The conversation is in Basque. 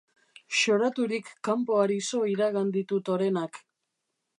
Xoraturik kanpoari so iragan ditut orenak.